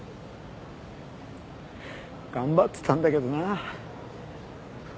頑張ってたんだけどな。